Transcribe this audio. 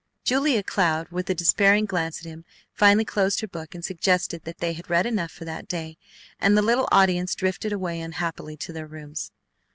Julia Cloud, with a despairing glance at him, finally closed her book and suggested that they had read enough for that day, and the little audience drifted away unhappily to their rooms.